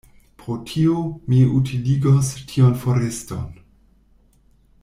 Pro tio, mi utiligos tiun foreston.